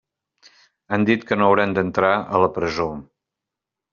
Han dit que no hauran d'entrar a la presó.